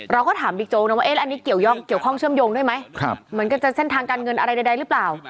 เราก็ถามบิ๊กโจ๊กนะว่าอันนี้เกี่ยวข้องเชื่อมโยงด้วยไหมเหมือนกันจะเส้นทางการเงินอะไรใดหรือเปล่า